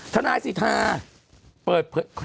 ธนายศิษฐาน